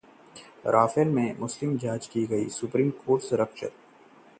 Rafale deal की जांच होगी या नहीं? सुप्रीम कोर्ट ने सुरक्षित रखा फैसला